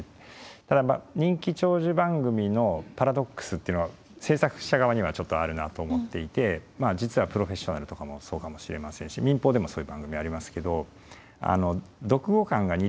ただ人気長寿番組のパラドックスっていうのは制作者側にはちょっとあるなと思っていて実は「プロフェッショナル」とかもそうかもしれませんし民放でもそういう番組ありますけど読後感が似てくるんですよね。